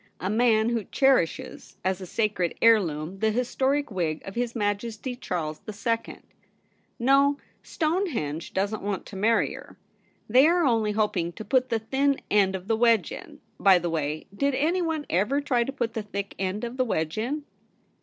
A man who cherishes, as a sacred heirloom, the historic wig of his Majesty Charles the Second ! No, Stonehenge doesn't want to marry her. They are only hoping to put the thin end of the wedge in — by the way, did anyone ever try to put the thick end of the wedge in